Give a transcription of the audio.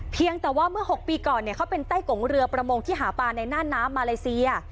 เพียงแต่ว่าเมื่อ๖ปีก่อนเขาเป็นไต้กงเรือประมงที่หาปลาในน่านน้ำมาเลเซีย